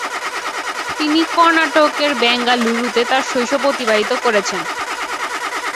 তিনি কর্ণাটকের বেঙ্গালুরুতে তার শৈশব অতিবাহিত করেছেন।